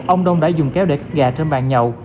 ông đông đã dùng kéo để khách gà trên bàn nhậu